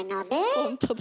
ほんとだ。